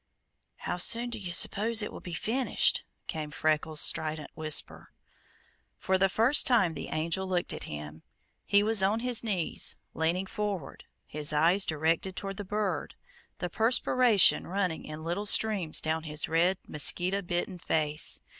"How soon do you s'pose it will be finished?" came Freckles' strident whisper. For the first time the Angel looked at him. He was on his knees, leaning forward, his eyes directed toward the bird, the perspiration running in little streams down his red, mosquito bitten face.